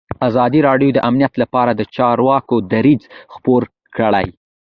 ازادي راډیو د امنیت لپاره د چارواکو دریځ خپور کړی.